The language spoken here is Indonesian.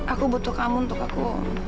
aku butuh kamu untuk aku